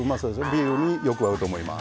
ビールによく合うと思います。